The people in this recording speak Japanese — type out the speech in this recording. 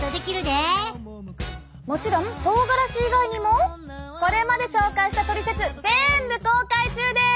もちろんとうがらし以外にもこれまで紹介したトリセツぜんぶ公開中です！